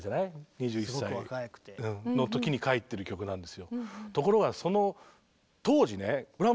２１歳の時に書いてる曲なんですよ。